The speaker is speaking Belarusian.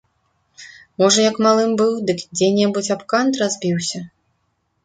Можа, як малым быў, дык дзе-небудзь аб кант разбіўся?